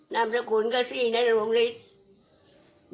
นามสกุลก็สี่ในโรงฤทธิ์